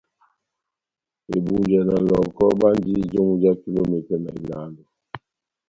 Ebunja na Lɔh᷅ɔkɔ bandi jomu já kilometa ilálo.